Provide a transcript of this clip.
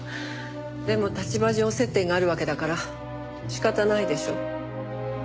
でも立場上接点があるわけだから仕方ないでしょ。